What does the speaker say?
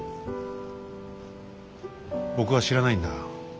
僕は知らないんだ。